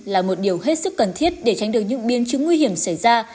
là một điều hết sức cần thiết để tránh được những biên chứng nguy hiểm xảy ra